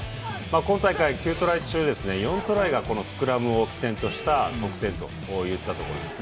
今大会９トライ中４トライがスクラムを起点とした得点といったところです。